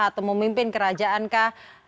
atau memimpin kerajaan kah